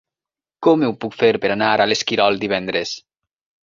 Com ho puc fer per anar a l'Esquirol divendres?